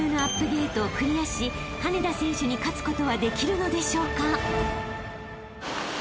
ゲートをクリアし羽根田選手に勝つことはできるのでしょうか？］